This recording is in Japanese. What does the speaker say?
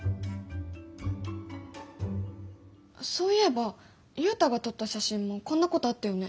そういえばユウタが撮った写真もこんなことあったよね？